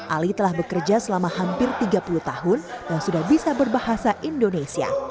ali telah bekerja selama hampir tiga puluh tahun dan sudah bisa berbahasa indonesia